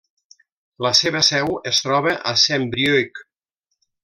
La seva seu es troba a Saint-Brieuc.